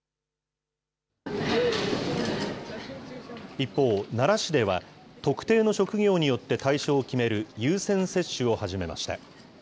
一方、奈良市では特定の職業によって対象を決める優先接種を始めました。